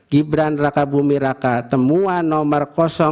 gibran raka bumi raka temuan nomor